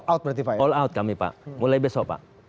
all all out kami pak mulai besok pak